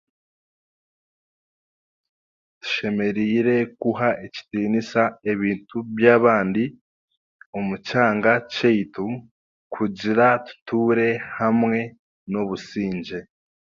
Tushemereire kuha ekitiniisa ebintu by'abandi omu kyanga kyeitu kugira tuture hamwe n'obusingye.